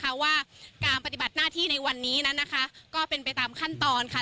เพราะว่าการปฏิบัติหน้าที่ในวันนี้นั้นนะคะก็เป็นไปตามขั้นตอนค่ะ